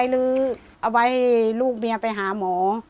หรือเอาไว้ลูกเมียไปหาหมอ